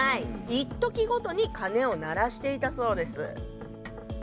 いっときごとに鐘を鳴らしていたそうです。